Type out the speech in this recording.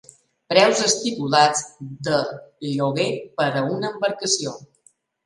Preus estipulats de lloguer per a una embarcació.